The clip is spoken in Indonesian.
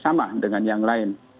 sama dengan yang lain